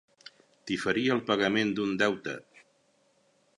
Diferir el pagament d'un deute.